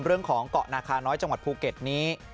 เรื่องของเกาะนาคาน้อยจังหวัดภูเก็ตนี้